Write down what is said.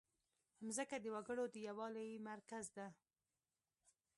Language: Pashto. مځکه د وګړو د یووالي مرکز ده.